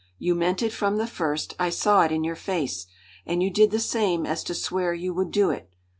You meant it from the first; I saw it in your face, and you did the same as to swear you would do it.